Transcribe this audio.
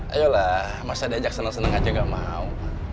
ayolah masa diajak seneng seneng aja gak mau